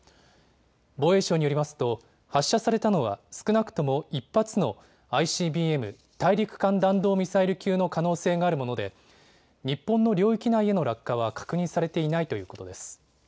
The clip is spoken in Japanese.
防衛省によりますと発射されたのは少なくとも１発のＩＣＢＭ・大陸間弾道ミサイル級の可能性があるもので日本の領域内への落下は確認されていないということです。